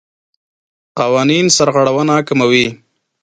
قوانین سرغړونه کموي.